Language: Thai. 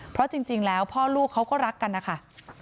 เพราะจริงแล้วพ่อลูกเขาก็รักกันนะคะ